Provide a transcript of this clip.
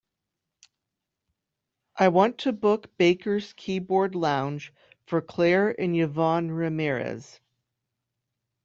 I want to book Baker's Keyboard Lounge for clare and yvonne ramirez.